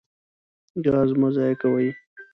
ګاز مه ضایع کوئ.